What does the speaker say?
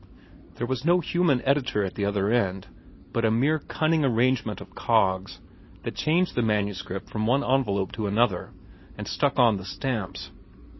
There was no human editor at the other end, but a mere cunning arrangement of cogs that changed the manuscript from one envelope to another and stuck on the stamps.